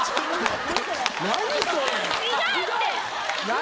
何？